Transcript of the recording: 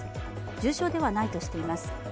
重傷ではないとしています。